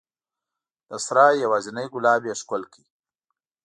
د سرای یوازینی ګلاب یې ښکل کړ